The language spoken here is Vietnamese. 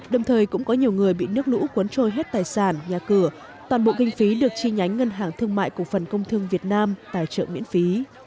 đồng thời cũng có nhiều người bị nước lũ cuốn trôi hết tài sản nhà cửa toàn bộ kinh phí được chi nhánh ngân hàng thương mại cổ phần công thương việt nam tài trợ miễn phí